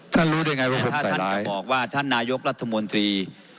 ท่านรู้ได้ไงว่าผมใส่ร้ายถ้าท่านจะบอกว่าท่านนายกรัฐมนตรี